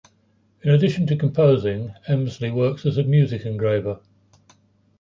In addition to composing, Emsley works as a music engraver.